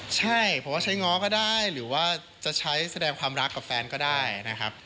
ใช่เพราะว่าใช้ง้อก็ได้หรือว่าจะใช้แสดงความรักกับแฟนก็ได้นะครับ